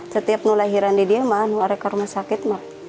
setiap lahiran di dia dia mau ke rumah sakit